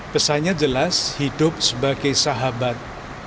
pesannya jelas hidup sebagai sahabat